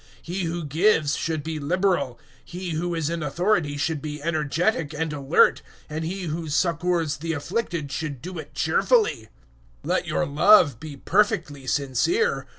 He who gives should be liberal; he who is in authority should be energetic and alert; and he who succours the afflicted should do it cheerfully. 012:009 Let your love be perfectly sincere.